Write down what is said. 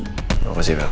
terima kasih bel